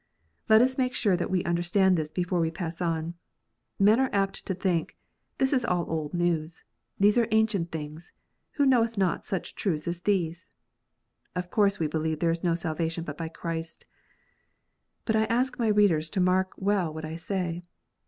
Let us make sure that we understand this before we pass on. Men are apt to think, "This is all old news ; these are ancient things : who knoweth not such truths as these ? Of course we believe there is no salvation but by Christ." But I ask my readers to mark well what I say.